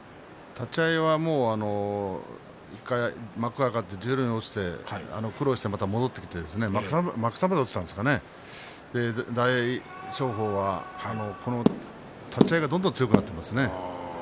立ち合いはもう幕に上がってすぐに落ちて苦労してまた戻ってきて大翔鵬は立ち合いがどんどん強くなっていますね。